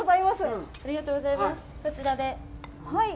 こちらで。